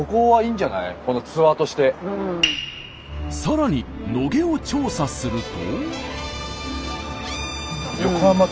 さらに野毛を調査すると。